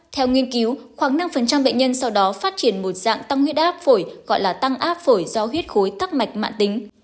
theo nghiên cứu khoảng năm bệnh nhân sau đó phát triển một dạng tăng huyết áp phổi gọi là tăng áp phổi do huyết khối tắc mạch mạng tính